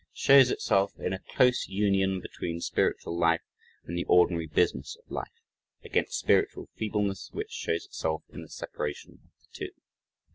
] "shows itself in a close union between spiritual life and the ordinary business of life," against spiritual feebleness which "shows itself in the separation of the two."